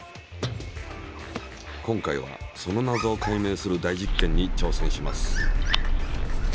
今回はその謎を解明する大実験に挑戦します。